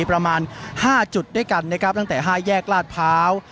ประมาณ๕จุดด้วยกันนะครับตั้งแต่๕แยกลาดพร้าว